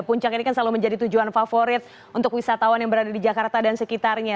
puncak ini kan selalu menjadi tujuan favorit untuk wisatawan yang berada di jakarta dan sekitarnya